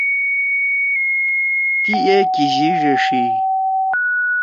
تی اے کیِژی ڙیݜيئی۔